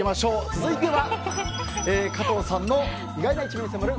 続いては加藤さんの意外な一面に迫る